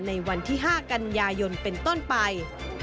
ในวันที่๕กันยายนเป็นต้นไป